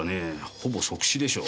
ほぼ即死でしょう。